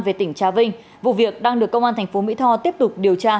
về tỉnh trà vinh vụ việc đang được công an thành phố mỹ tho tiếp tục điều tra